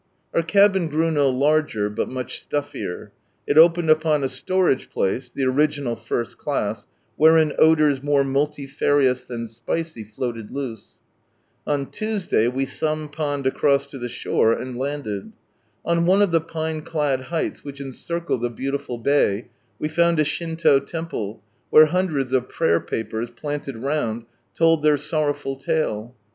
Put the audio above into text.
Our cabin grew no larger, but much stuffier. It opened upon a storage place, (the original tst class) wherein odours nioie multifarious than spicy floated loose. On Tuesday we sampanned across to the shore, and landed. On one of the pine clad heights which encircle the beautiful bay, we found a Shinto temple, where hundreds of prayer papers, planted round, told their sorrowful tale.